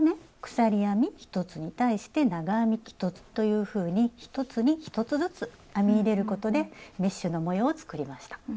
鎖編み１つに対して長編み１つというふうに１つに１つずつ編み入れることでメッシュの模様を作りました。